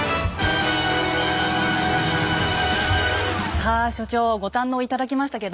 さあ所長ご堪能頂きましたけども